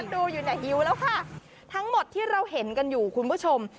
ดูอยู่เนี่ยหิวแล้วค่ะทั้งหมดที่เราเห็นกันอยู่คุณผู้ชม